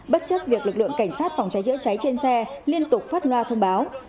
bất chấp việc lực lượng cảnh sát phòng cháy chữa cháy trên xe liên tục phát loa thông báo